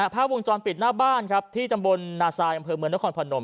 ภาพวงจรปิดหน้าบ้านครับที่ตำบลนาซายอำเภอเมืองนครพนม